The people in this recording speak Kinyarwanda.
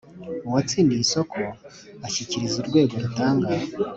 Uwatsindiye isoko ashyikiriza urwego rutanga